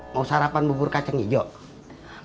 mau sarapan bubur kacang hijau